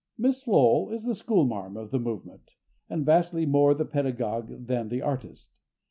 Miss Lowell is the schoolmarm of the movement, and vastly more the pedagogue than the artist.